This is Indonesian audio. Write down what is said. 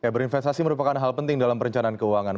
berinvestasi merupakan hal penting dalam perencanaan keuangan